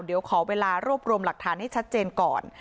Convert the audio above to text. เดี๋ยวขอเวลารวบรวมหลักฐานให้ชัดเจนก่อน